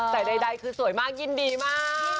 แต่ใดคือสวยมากยินดีมาก